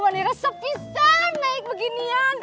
mani resep pisah naik beginian